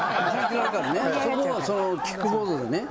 そこをそのキックボードでね